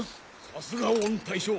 さすが御大将。